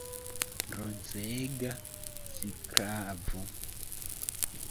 Ruzega sklavo!